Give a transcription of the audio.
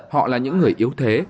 họ là những người yếu thế